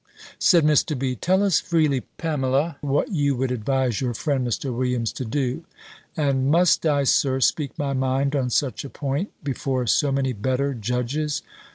Said Mr. B., "Tell us freely, Pamela, what you would advise your friend Mr. Williams to do." "And must I, Sir, speak my mind on such a point, before so many better judges?"